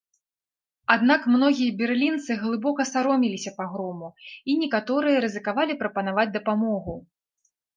Аднак многія берлінцы глыбока саромеліся пагрому, і некаторыя рызыкавалі прапанаваць дапамогу.